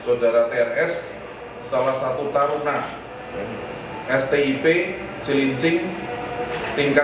sodara trs salah satu taruna stip cilincing tingkat dua